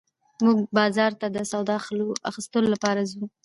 موږ بازار ته د سودا اخيستلو لپاره ځو